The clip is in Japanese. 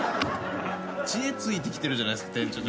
知恵ついてきてるじゃないですか店長。